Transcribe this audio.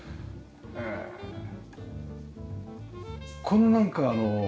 このなんかあの。